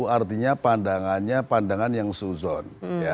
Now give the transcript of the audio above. artinya pandangannya pandangan yang suzon